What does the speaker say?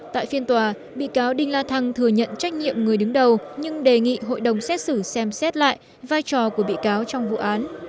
tại phiên tòa bị cáo đinh la thăng thừa nhận trách nhiệm người đứng đầu nhưng đề nghị hội đồng xét xử xem xét lại vai trò của bị cáo trong vụ án